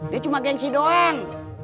dia cuma gengsi doang